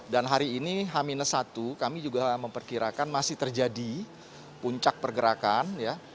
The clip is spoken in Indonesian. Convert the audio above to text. dan hari ini h satu kami juga memperkirakan masih terjadi puncak pergerakan ya